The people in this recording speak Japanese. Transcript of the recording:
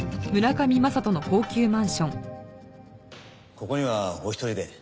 ここにはお一人で？